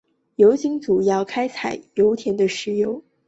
油井主要用于开采油田的石油。